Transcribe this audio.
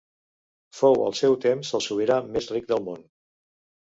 Fou al seu temps el sobirà més ric del món.